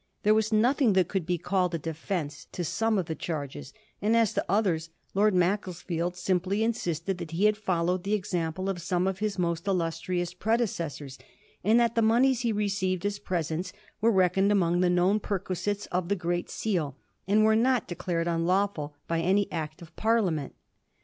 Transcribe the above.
There was nothing that could be called a defence to some of the charges, and as to others Lord Macclesfield simply insisted that he had followed the example of some of his most illustrious predecessors, and that the moneys he received as presents were reckoned among the known perquisites of the Great Seal, and were not declared unlawful by any Act of Parliament.